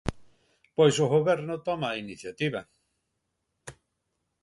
¡Pois o Goberno toma a iniciativa!